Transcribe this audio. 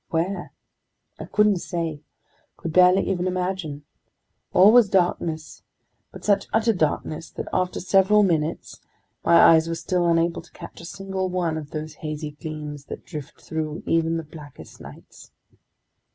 Where? I couldn't say, could barely even imagine. All was darkness, but such utter darkness that after several minutes, my eyes were still unable to catch a single one of those hazy gleams that drift through even the blackest nights.